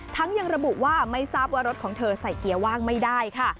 ยังระบุว่าไม่ทราบว่ารถของเธอใส่เกียร์ว่างไม่ได้ค่ะ